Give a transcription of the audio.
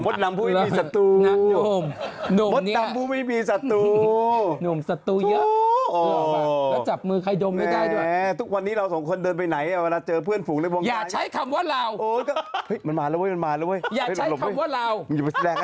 ทำว่าเรามันมาแล้วเว้ยมันมาแล้วเว้ยอย่าใช้คำว่าเรามึงอย่าไปแสดง